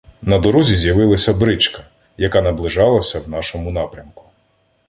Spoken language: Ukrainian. На дорозі з'явилася бричка, яка наближалася в нашому напрямку.